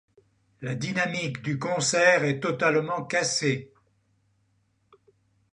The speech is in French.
La dynamique du concert est totalement cassée.